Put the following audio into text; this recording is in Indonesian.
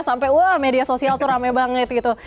sampai wah media sosial tuh rame banget gitu